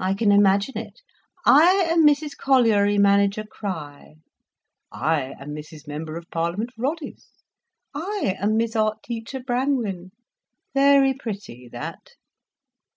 I can imagine it—'I am Mrs Colliery Manager Crich—I am Mrs Member of Parliament Roddice. I am Miss Art Teacher Brangwen.' Very pretty that."